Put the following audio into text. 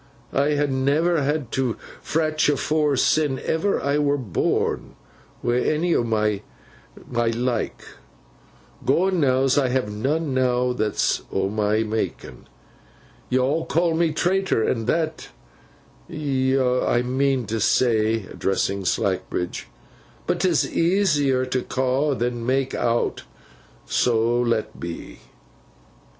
I ha' never had no fratch afore, sin ever I were born, wi' any o' my like; Gonnows I ha' none now that's o' my makin'. Yo'll ca' me traitor and that—yo I mean t' say,' addressing Slackbridge, 'but 'tis easier to ca' than mak' out. So let be.